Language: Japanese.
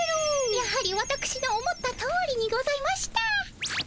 やはりわたくしの思ったとおりにございました。